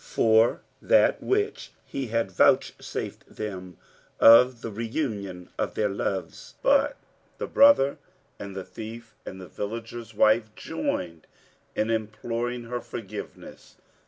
for that which He had vouchsafed them of the reunion of their loves; but the brother and the thief and the villager's wife joined in imploring her forgiveness.